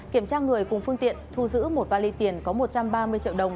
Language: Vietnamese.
kiểm tra người cùng phương tiện thu giữ một vali tiền có một trăm ba mươi triệu đồng